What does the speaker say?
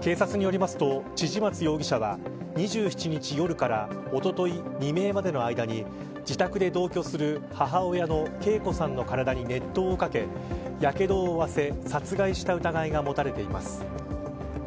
警察によりますと千々松容疑者は２７日夜からおととい未明までの間に自宅で同居する母親の桂子さんの体に熱湯をかけやけどを負わせ殺害した疑いが持たれています。